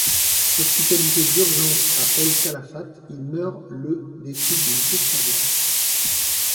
Hospitalisé d'urgence à El Calafate, il meurt le des suites d'une crise cardiaque.